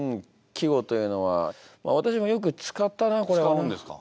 使うんですか。